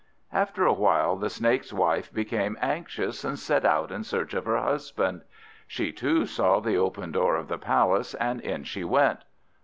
After a while the Snake's wife became anxious, and set out in search of her husband. She too saw the open door of the palace, and in she went.